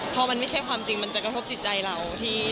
พอมันไม่ใช่ความจริงมันจะกระทบจิตใจเรา